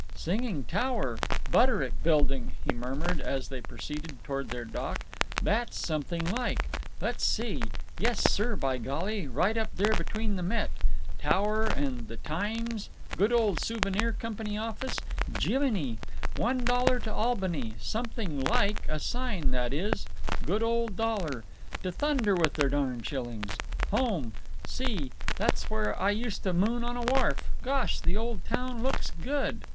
"Singer Tower…. Butterick Building," he murmured, as they proceeded toward their dock. "That's something like…. Let's see; yes, sir, by golly, right up there between the Met. Tower and the Times—good old Souvenir Company office. Jiminy! 'One Dollar to Albany'—something like a sign, that is—good old dollar! To thunder with their darn shillings. Home!… Gee! there's where I used to moon on a wharf!… Gosh! the old town looks good."